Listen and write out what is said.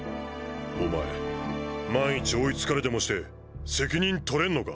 お前万一追いつかれでもして責任とれんのか？